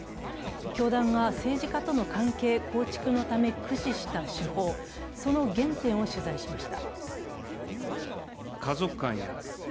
教団が政治家との関係構築のため駆使した手法、その原点を取材しました。